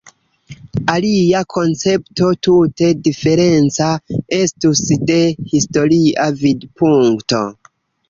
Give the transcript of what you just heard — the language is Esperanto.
Alia koncepto tute diferenca estus de historia vidpunkto.